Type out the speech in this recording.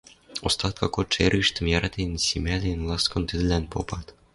Остатка кодшы эргӹштӹм яратен семӓлен, ласкон тӹдӹлӓн попат: